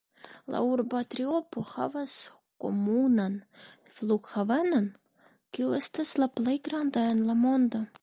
La urba triopo havas komunan flughavenon, kiu estas la plej granda en la mondo.